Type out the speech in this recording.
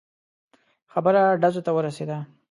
خبره ډزو ته ورسېده.